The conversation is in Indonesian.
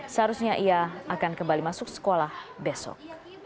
seharusnya ia akan kembali masuk sekolah besok